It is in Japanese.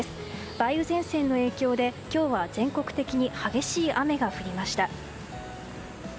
梅雨前線の影響で今日は全国的に激しい雨が降りました。